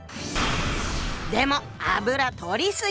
でも油とりすぎ！